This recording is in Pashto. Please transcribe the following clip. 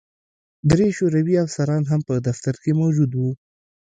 درې شوروي افسران هم په دفتر کې موجود وو